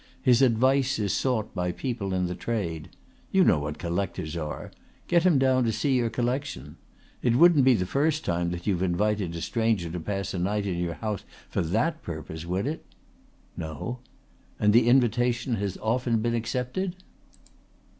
His advice is sought by people in the trade. You know what collectors are. Get him down to see your collection. It wouldn't be the first time that you have invited a stranger to pass a night in your house for that purpose, would it?" "No." "And the invitation has often been accepted?"